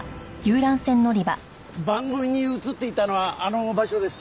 番組に映っていたのはあの場所です。